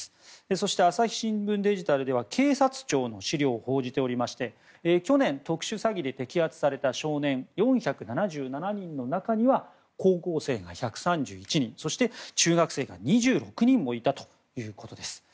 そして朝日新聞デジタルでは警察庁の資料を報じておりまして去年、特殊詐欺で摘発された少年４７７人の中には高校生が１３１人そして中学生が２６人もいたということです。